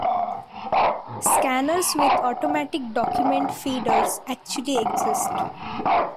Scanners with automatic document feeders actually exist.